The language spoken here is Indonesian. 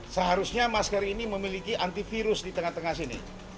seharusnya masker ini memiliki antivirus di tengah tengah sini